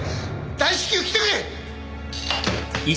大至急来てくれ！